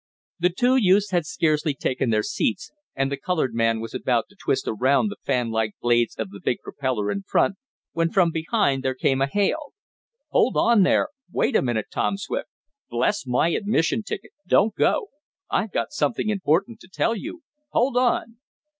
The two youths had scarcely taken their seats, and the colored man was about to twist around the fan like blades of the big propeller in front, when from behind there came a hail. "Hold on there! Wait a minute, Tom Swift! Bless my admission ticket, don't go! I've got something important to tell you! Hold on!"